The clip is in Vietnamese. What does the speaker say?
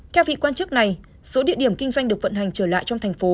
theo vị quan chức này số địa điểm kinh doanh được vận hành trở lại trong thành phố